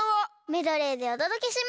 メドレーでおとどけします！